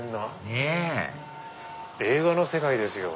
ねっ映画の世界ですよ。